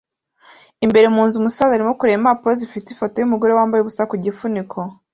Imbere mu nzu umusaza arimo kureba impapuro zifite ifoto yumugore wambaye ubusa ku gifuniko